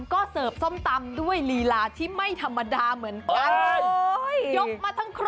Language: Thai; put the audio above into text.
ก็เสิร์ฟส้มตำด้วยลีลาที่ไม่ธรรมดาเหมือนกัน